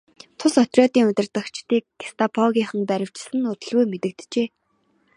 Тус отрядын удирдагчдыг гестапогийнхан баривчилсан нь удалгүй мэдэгджээ.